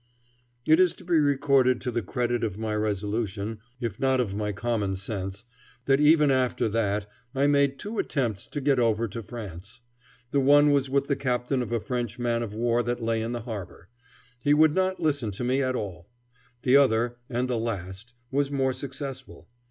It is to be recorded to the credit of my resolution, if not of my common sense, that even after that I made two attempts to get over to France. The one was with the captain of a French man of war that lay in the harbor. He would not listen to me at all. The other, and the last, was more successful.